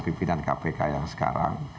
pimpinan kpk yang sekarang